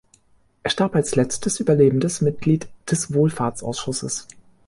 Er starb als letztes überlebendes Mitglied des Wohlfahrtsausschusses.